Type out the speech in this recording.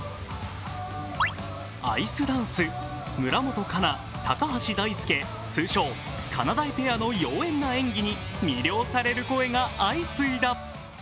アイスダンス村元哉中・高橋大輔、通称・かなだいペアの妖艶な演技に魅了される声が相次いだ。